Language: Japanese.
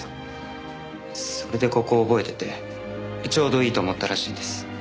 それでここを覚えててちょうどいいと思ったらしいです。